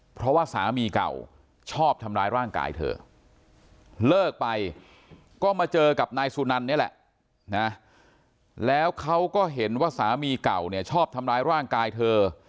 เพราะว่าสามีเก่าชอบทำร้ายร่างกายเธอเลิกไปก็มาเจอกับนายสุนันนี่แหละนะแล้วเขาก็เห็นว่าสามีเก่าเนี่ยชอบทำร้ายร่างกายเธอ